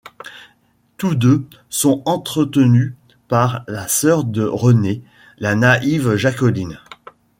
Tous deux sont entretenus par la sœur de Renée, la naïve Jacqueline.